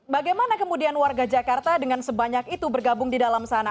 bagaimana kemudian warga jakarta dengan sebanyak itu bergabung di dalam sana